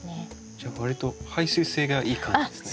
じゃあわりと排水性がいい感じですね。